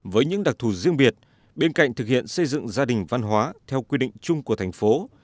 với những đặc thù riêng biệt bên cạnh thực hiện xây dựng gia đình văn hóa theo quy định chung của thành phố